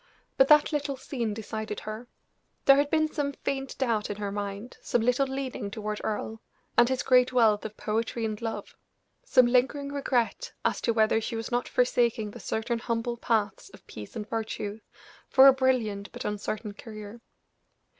But that little scene decided her; there had been some faint doubt in her mind, some little leaning toward Earle, and his great wealth of poetry and love some lingering regret as to whether she was not forsaking the certain humble paths of peace and virtue for a brilliant but uncertain career.